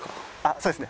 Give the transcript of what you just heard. そうですね。